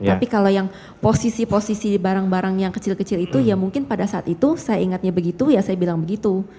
tapi kalau yang posisi posisi barang barang yang kecil kecil itu ya mungkin pada saat itu saya ingatnya begitu ya saya bilang begitu